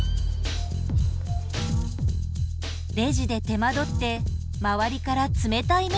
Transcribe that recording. レジで手間取って周りから冷たい目で見られてしまう。